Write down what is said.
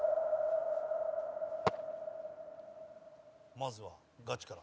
まずは、ガチから。